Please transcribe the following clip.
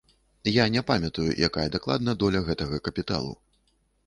Я не памятаю, якая дакладна доля гэтага капіталу.